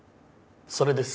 それです。